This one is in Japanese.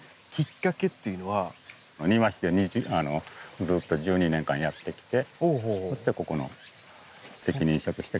庭師でずっと１２年間やってきてそしてここの責任者として。